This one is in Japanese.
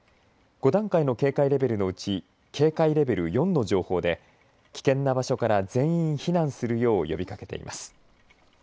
５段階の警戒レベルのうち警戒レベル４の情報で危険な場所から全員避難するよう呼びかけています。